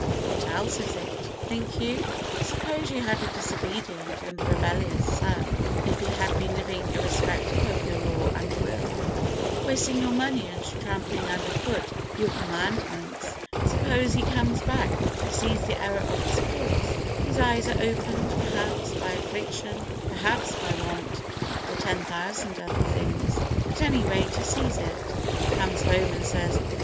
What else is it, think you? Suppose you had a disobedient and rebellious son, and he had been living irrespective of your law and will, wasting your money and trampling under foot your commandments. Suppose he comes back, he sees the error of his course. His eyes are opened, perhaps, by affliction, perhaps by want, or ten thousand other things. At any rate he sees it, and he comes home and says, "Oh!